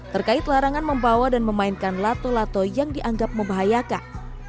terkait larangan membawa dan memainkan lato lato yang dianggap membahayakan